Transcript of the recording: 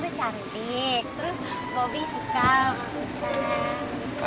terus bobby suka sama susan